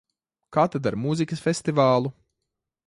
Kā tad ar mūzikas festivālu?